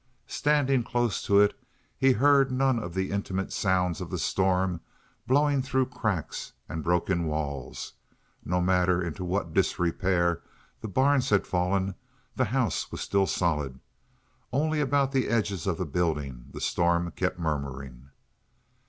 Standing close to it, he heard none of the intimate sounds of the storm blowing through cracks and broken walls; no matter into what disrepair the barns had fallen, the house was still solid; only about the edges of the building the storm kept murmuring.